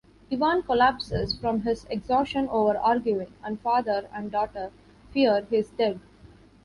Ivan collapses from his exhaustion over arguing, and father and daughter fear he's dead.